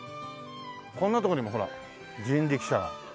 こんな所にもほら人力車が。